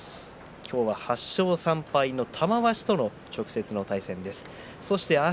今日は８勝３敗の玉鷲との直接の対戦です。